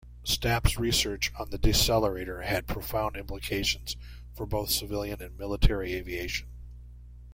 Stapp's research on the decelerator had profound implications for both civilian and military aviation.